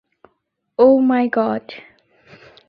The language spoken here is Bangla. Oh, my god.